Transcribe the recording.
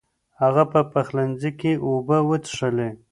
هغه په پخلنځي کې اوبه وڅښلې.